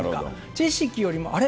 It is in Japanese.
知識よりも、あれ？